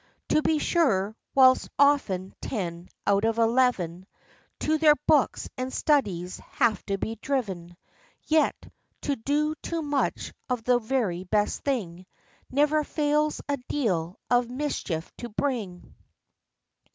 To be sure, whilst often ten out of eleven To their books and studies have to be driven, Yet, to do too much of the very best thing, Never fails a deal of mischief to bring.